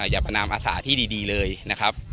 อย่าประนามอาสาที่ดีเลยนะครับ